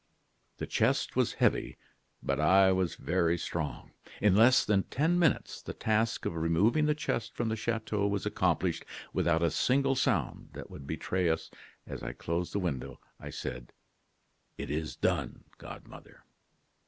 "The chest was heavy, but I was very strong. "In less than ten minutes the task of removing the chest from the chateau was accomplished, without a single sound that would betray us. As I closed the window, I said: "'It is done, godmother.